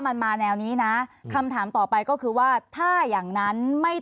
มันมาแนวนี้นะคำถามต่อไปก็คือว่าถ้าอย่างนั้นไม่